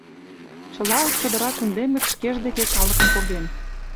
Чыла чодыра кундем гыч шкеж деке калыкым поген.